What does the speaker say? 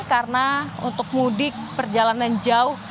karena untuk mudik perjalanan jauh